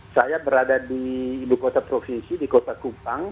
saya berada di ibu kota provinsi di kota kupang